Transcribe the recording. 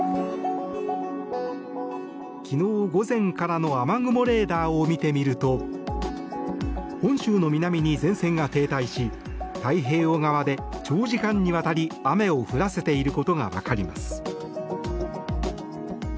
昨日午前からの雨雲レーダーを見てみると本州の南に前線が停滞し太平洋側で長時間にわたり雨を降らせていることが分かります。